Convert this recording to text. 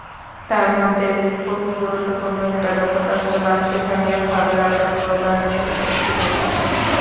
তার মধ্যে খুব গুরুত্বপূর্ণ একটি দক্ষতা হচ্ছে মানুষের সঙ্গে ভাবের আদান-প্রদানের দক্ষতা।